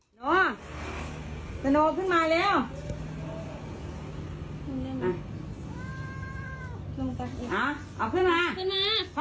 อ่อะนอกขึ้นมาแล้ว